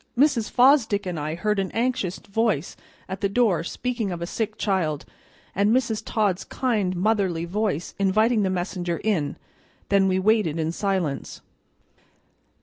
Mrs. Fosdick and I heard an anxious voice at the door speaking of a sick child, and Mrs. Todd's kind, motherly voice inviting the messenger in: then we waited in silence.